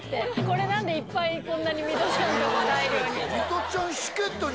これ何でいっぱいこんなにミトちゃんのとこ大量に。